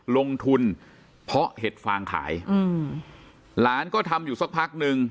ลงทุนเพราะเห็ดฟางขายอืมหลานก็ทำอยู่สักพักหนึ่ง